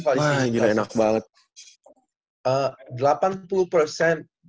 wah gila enak banget